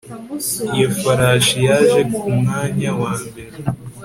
iyo farashi yaje ku mwanya wa mbere